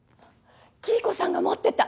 黄以子さんが持ってた！